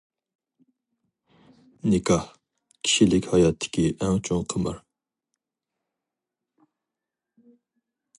نىكاھ، كىشىلىك ھاياتتىكى ئەڭ چوڭ قىمار.